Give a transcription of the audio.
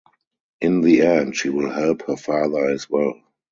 In the end she will help her father as well.